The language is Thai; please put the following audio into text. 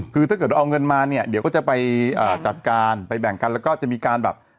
คือถ้าเกิดว่าเอาเงินมาเนี่ยเดี๋ยวก็จะไปจัดการไปแบ่งกันแล้วก็จะมีการแบบ